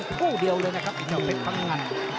นี่ครับทุกรุ่นแหล่ง